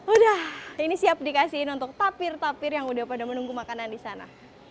udah ini siap dikasihin untuk tapir tapir yang udah pada menunggu makanan di sana